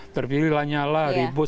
terpilih lanyalah ribut